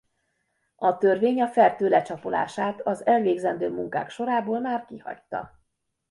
A törvény a Fertő lecsapolását az elvégzendő munkák sorából már kihagyta.